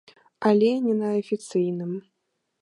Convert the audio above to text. Але не на афіцыйным.